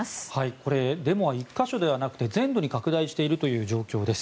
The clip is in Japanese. これデモは１か所ではなくて全土に拡大しているという状況です。